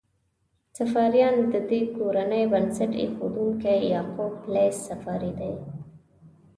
صفاریان: د دې کورنۍ بنسټ ایښودونکی یعقوب لیث صفاري دی.